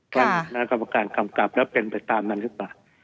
คณะกรรมการกำกับแล้วเป็นไปตามนั้นหรือเปล่า